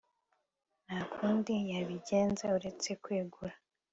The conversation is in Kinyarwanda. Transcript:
Nta kundi yabigenza uretse kwegura